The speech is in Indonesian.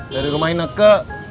dari rumah ineke